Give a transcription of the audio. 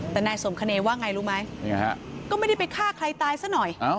แต่นายสมคเนยว่าไงรู้ไหมก็ไม่ได้ไปฆ่าใครตายซะหน่อย